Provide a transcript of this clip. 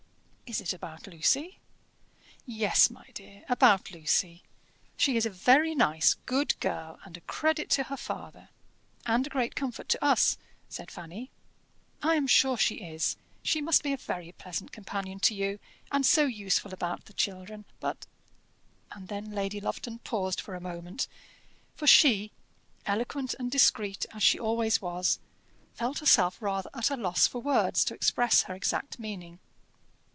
"Is it about Lucy?" "Yes, my dear about Lucy. She is a very nice, good girl, and a credit to her father " "And a great comfort to us," said Fanny. "I am sure she is: she must be a very pleasant companion to you, and so useful about the children; but " And then Lady Lufton paused for a moment; for she, eloquent and discreet as she always was, felt herself rather at a loss for words to express her exact meaning.